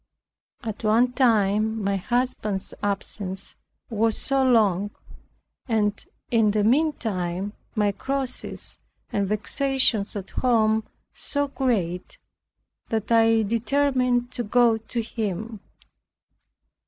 At one time my husband's absence was so long, and in the meantime my crosses and vexations at home so great, that I determined to go to him.